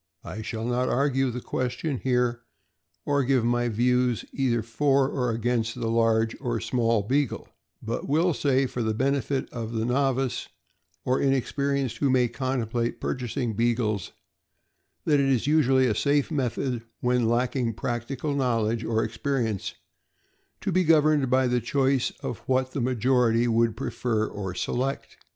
I shall not argue the question here, or give my views either for or against the large or small Beagle, but will say, for the benefit of the novice, or inex perienced who may contemplate purchasing Beagles, that it is usually a safe method, when lacking practical knowledge or experience, to be governed by the choice of what the majority would prefer or select.